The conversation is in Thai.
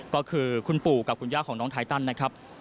ก็คือคุณปู่กับคุณย่าของน้องไทตันนะครับ